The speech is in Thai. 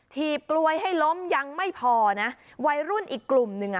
ถีบกล้วยให้ล้มยังไม่พอนะวัยรุ่นอีกกลุ่มหนึ่งอ่ะ